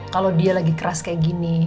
kalau dia lagi keras kayak gini